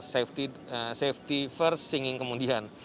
safety first singing kemudian